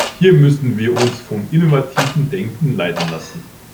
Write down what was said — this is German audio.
Hier müssen wir uns von innovativem Denken leiten lassen.